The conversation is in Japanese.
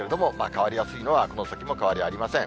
変わりやすいのはこの先も変わりありません。